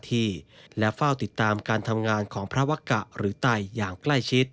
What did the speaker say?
ที่และเฝ้าติดตามการทำงานของพระวะกะหรือไตอย่างใกล้ชิด